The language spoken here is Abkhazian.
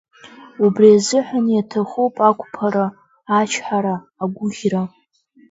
Убри азыҳәан иаҭахуп ақәԥара, ачҳара, агәыӷьра.